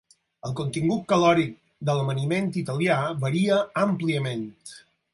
El contingut calòric de l'amaniment italià varia àmpliament.